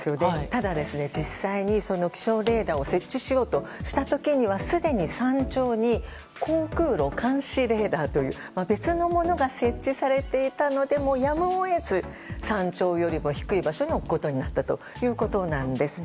ただ実際にその気象レーダーを設置しようとした時にはすでに山頂に航空路監視レーダーという別のものが設置されていたのでやむを得ず山頂より低い場所に置くことになったということなんです。